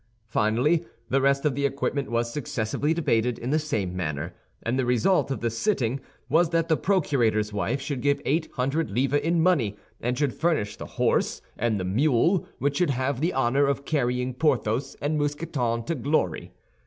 Finally, the rest of the equipment was successively debated in the same manner; and the result of the sitting was that the procurator's wife should give eight hundred livres in money, and should furnish the horse and the mule which should have the honor of carrying Porthos and Mousqueton to glory.